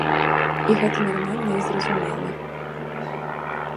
І гэта нармальна і зразумела.